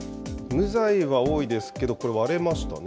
無罪は多いですけど、これ、割れましたね。